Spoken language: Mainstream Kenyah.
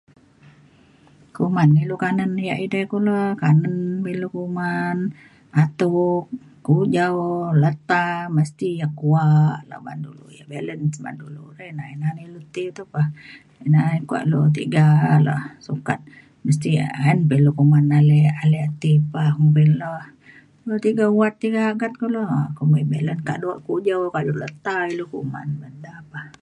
kuman ilu kanen ia’ edei kulo kanen be ilu kuman atuk kujau leta mesti ia’ kuak la ban dulu ia’ balance ban dulu re ina na ilu ti tu pa ina kuak tiga ala sukat mesti ayen pa ilu kuman ale ale ia’ ti pa kumbin le tiga wat tiga agat kulo um kumbin balance kado kujau kado leta ilu kuman men da pa